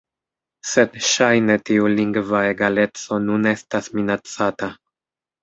Sed ŝajne tiu lingva egaleco nun estas minacata.